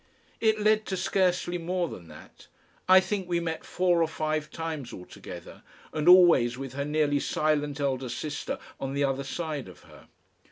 It led to scarcely more than that. I think we met four or five times altogether, and always with her nearly silent elder sister on the other side of her.